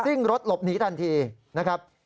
่งรถหลบหนีทันทีนะครับ